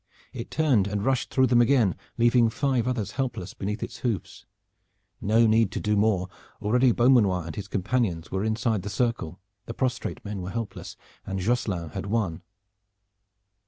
It turned and rushed through them again, leaving five others helpless beneath its hoofs. No need to do more! Already Beaumanoir and his companions were inside the circle, the prostrate men were helpless, and Josselin had won.